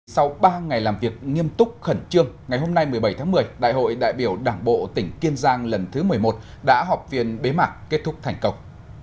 sau ba ngày làm việc nghiêm túc khẩn trương ngày hôm nay một mươi bảy tháng một mươi đại hội đại biểu đảng bộ tỉnh kiên giang lần thứ một mươi một đã họp viên bế mạc kết thúc thành công